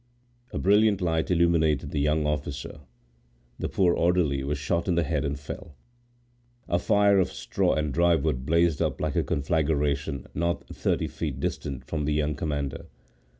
A brilliant light illuminated the young officer. The poor orderly was shot in the head and fell. A fire of straw and dry wood blazed up like a conflagration not thirty feet distant from the young commander.